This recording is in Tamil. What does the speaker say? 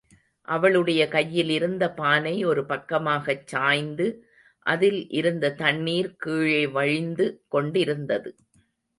அவளுடைய கையிலிருந்த பானை ஒரு பக்கமாகச் சாய்ந்து அதில் இருந்த தண்ணீர் கீழே வழிந்து கொண்டிருந்தது.